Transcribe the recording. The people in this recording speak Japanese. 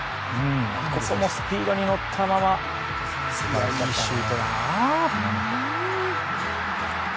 ここも、スピードに乗ったまま素晴らしいシュートだな。